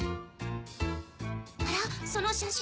あらその写真。